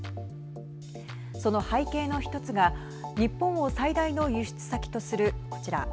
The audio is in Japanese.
その背景の１つが日本を最大の輸出先とするこちら。